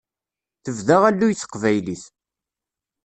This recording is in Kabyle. Tebda alluy teqbaylit.